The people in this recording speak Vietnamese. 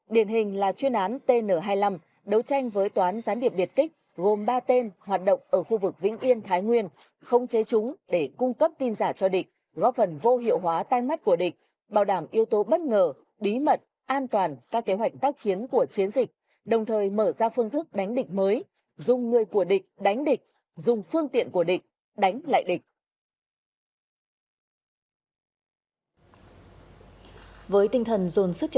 điện hình là chuyên án tn hai mươi năm đấu tranh với toán gián điệp biệt kích gồm ba tên hoạt động ở khu vực vĩnh yên thái nguyên không chế chúng để cung cấp tin giả cho địch góp phần vô hiệu hóa tay mắt của địch bảo đảm yếu tố bất ngờ bí mật an toàn các kế hoạch tác chiến của chiến dịch đồng thời mở ra phương thức đánh địch mới dùng người của địch đánh địch dùng phương tiện của địch đánh lại địch